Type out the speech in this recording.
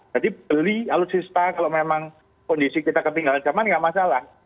jadi beli alutsisa kalau memang kondisi kita ketinggalan zaman nggak masalah